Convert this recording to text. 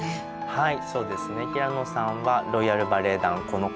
はい。